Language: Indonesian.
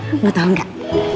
rena mau tau nggak